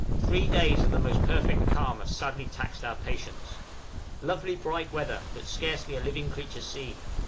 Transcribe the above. _ Three days of the most perfect calm have sadly taxed our patience. Lovely bright weather, but scarcely a living creature seen.